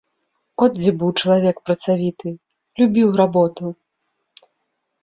От дзе быў чалавек працавіты, любіў работу!